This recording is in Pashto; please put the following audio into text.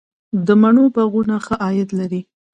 د مڼو باغونه ښه عاید لري؟